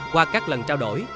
qua các lần trao đổi